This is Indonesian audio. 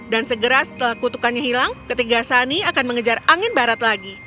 dan segera setelah kutukannya hilang ketiga sani akan mengejar angin barat lagi